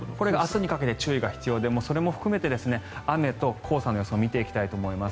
明日にかけて注意が必要でそれも含めて雨と黄砂の予想を見ていきたいと思います。